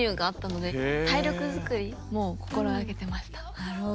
なるほど。